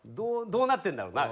どうなってるんだろうな？